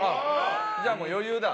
じゃあもう余裕だ。